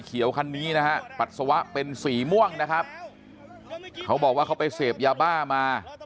พี่คันนี้นะฮะปัสสาวะเป็นสีม่วงเขาบอกว่าเขาไปเสพยาบ้า